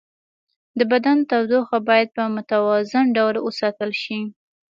د بدن تودوخه باید په متوازن ډول وساتل شي.